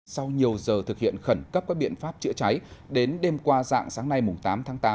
sau nhiều giờ thực hiện khẩn cấp các biện pháp chữa cháy đến đêm qua dạng sáng nay tám tháng tám